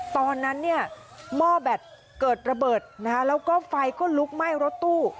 ตอนนั้นเนี่ยหม้อแบตเกิดระเบิดนะคะแล้วก็ไฟก็ลุกไหม้รถตู้